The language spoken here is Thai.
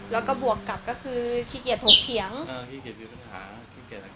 แล้วก็บวกกลับก็คือขี้เกียจโหดเคี้ยง